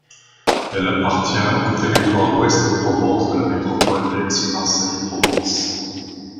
Elle appartient au territoire Ouest Provence de la métropole d'Aix-Marseille-Provence.